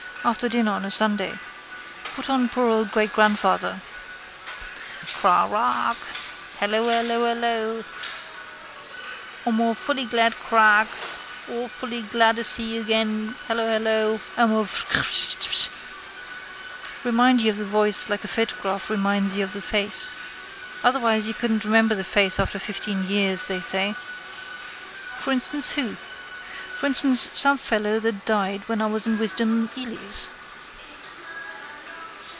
After dinner on a Sunday. Put on poor old greatgrandfather. Kraahraark! Hellohellohello amawfullyglad kraark awfullygladaseeagain hellohello amawf krpthsth. Remind you of the voice like the photograph reminds you of the face. Otherwise you couldn't remember the face after fifteen years, say. For instance who? For instance some fellow that died when I was in Wisdom Hely's.